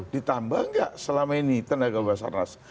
ditambah nggak selama ini tenaga bebasan ras